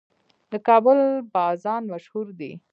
د کابل بازان مشهور دي